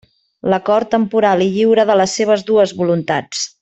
L'acord temporal i lliure de les seves dues voluntats.